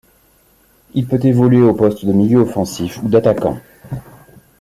Il peut évoluer aux postes de milieu offensif ou d'attaquant.